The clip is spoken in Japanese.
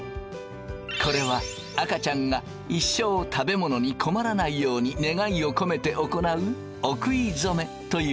これは赤ちゃんが一生食べ物に困らないように願いを込めて行うお食い初めというお祝い。